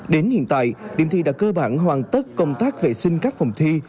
đến hiện tại điểm thi đã cơ bản hoàn tất công tác vệ sinh các phòng thi